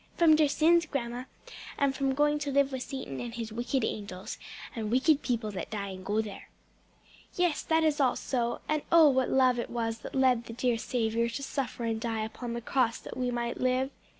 "From their sins, grandma, and from going to live with Satan and his wicked angels, and wicked people that die and go there." "Yes, that is all so, and oh what love it was that led the dear Saviour to suffer and die upon the cross that we might live!